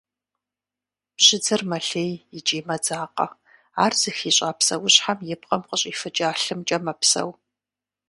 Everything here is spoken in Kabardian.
Бжьыдзэр мэлъей икӏи мэдзакъэ, ар зыхищӏа псэущхьэм и пкъым къыщӏифыкӏа лъымкӏэ мэпсэу.